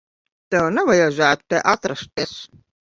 Tev nevajadzētu te atrasties.